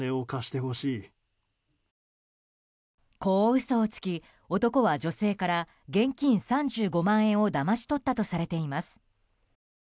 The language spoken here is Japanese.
こう嘘をつき男は女性から現金３５万円をだまし取ったとされています。